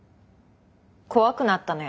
怖くなったのよ